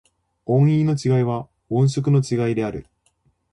音韻の違いは、音色の違いである。